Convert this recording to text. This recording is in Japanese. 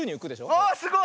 あすごい！